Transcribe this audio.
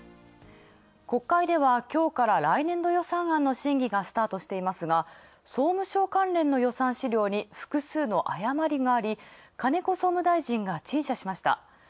国会ではきょうから来年度予算案の審議がスタートしていますが、総務省関連の予算資料に複数の誤りがあり金子総務大臣が陳謝しました。